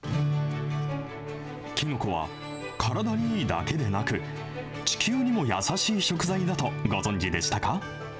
きのこは体にいいだけでなく、地球にも優しい食材だと、ご存じでしたか。